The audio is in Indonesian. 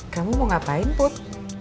kamu mau ngapain put